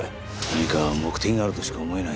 何か目的があるとしか思えない。